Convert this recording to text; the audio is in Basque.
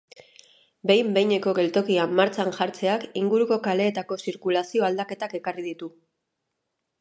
Behin-behineko geltokia martxan jartzeak inguruko kaleetako zirkulazio aldaketak ekarri ditu.